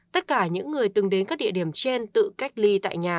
tất cả những người từng đến các địa điểm trên tự cách ly tại nhà